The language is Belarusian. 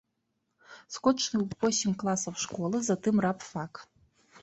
Скончыў восем класаў школы, затым рабфак.